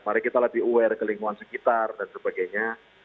mari kita lebih aware ke lingkungan sekitar dan sebagainya